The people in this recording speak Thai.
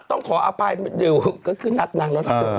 ต้องขออภัยดิวก็คือนัดนางน้องน้องน้อง